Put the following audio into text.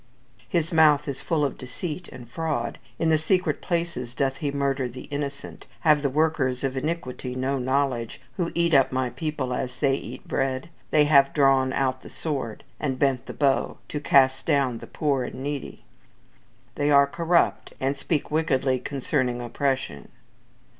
"His mouth is full of deceit and fraud; in the secret places doth he murder the innocent. Have the workers of iniquity no knowledge, who eat up my people as they eat bread? They have drawn out the sword, and bent the bow, to cast down the poor and needy." "They are corrupt, and speak wickedly concerning oppression."